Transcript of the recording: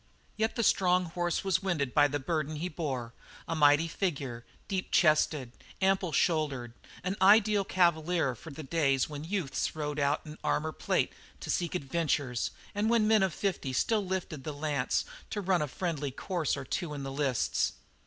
Yet the strong horse was winded by the burden he bore, a mighty figure, deep chested, amply shouldered, an ideal cavalier for the days when youths rode out in armour plate to seek adventures and when men of fifty still lifted the lance to run a "friendly" course or two in the lists.